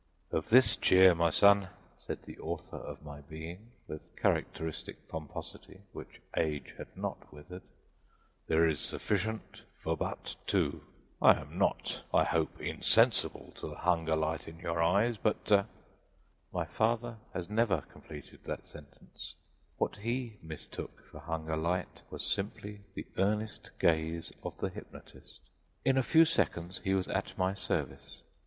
"Of this cheer, my son," said the author of my being, with characteristic pomposity, which age had not withered, "there is sufficient for but two. I am not, I hope, insensible to the hunger light in your eyes, but " My father has never completed that sentence; what he mistook for hunger light was simply the earnest gaze of the hypnotist. In a few seconds he was at my service.